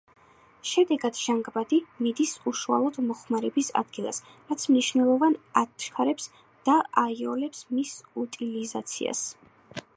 შედეგად ჟანგბადი მიდის უშუალოდ მოხმარების ადგილას, რაც მნიშვნელოვნად აჩქარებს და აიოლებს მის უტილიზაციას.